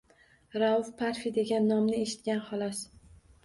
Rauf Parfi degan nomni eshitgan, xolos.